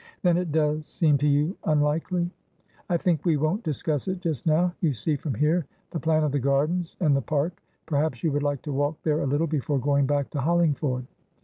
"Then it does seem to you unlikely?" "I think we won't discuss it just now. You see, from here, the plan of the gardens and the park. Perhaps you would like to walk there a little, before going back to Hollingford?"